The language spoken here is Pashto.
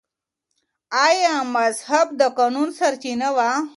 آیا مذهب د قانون سرچینه وه؟